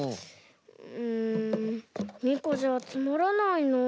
うん２こじゃつまらないなあ。